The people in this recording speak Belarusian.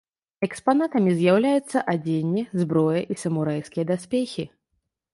Экспанатамі з'яўляюцца адзенне, зброя і самурайскія даспехі.